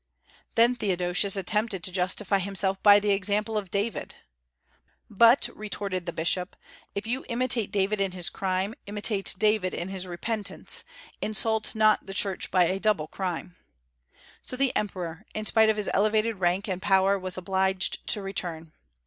Then Theodosius attempted to justify himself by the example of David. "But," retorted the bishop, "if you imitate David in his crime, imitate David in his repentance. Insult not the Church by a double crime." So the emperor, in spite of his elevated rank and power, was obliged to return.